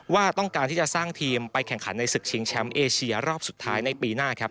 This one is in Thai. ว่าต้องการที่จะสร้างทีมไปแข่งขันในศึกชิงแชมป์เอเชียรอบสุดท้ายในปีหน้าครับ